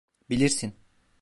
Bilirsin.